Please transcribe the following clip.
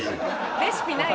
レシピないし。